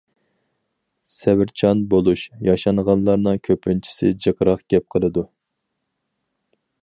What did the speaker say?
سەۋرچان بولۇش: ياشانغانلارنىڭ كۆپىنچىسى جىقراق گەپ قىلىدۇ.